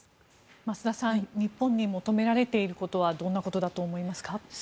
増田さん日本に求められていることはどんなことだと思いますか？